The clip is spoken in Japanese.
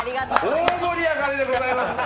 大盛り上がりでございます！